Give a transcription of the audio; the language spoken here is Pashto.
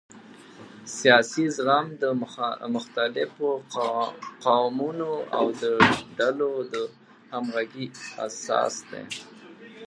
سیاسي زغم د مختلفو قومونو او ډلو د همغږۍ اساس دی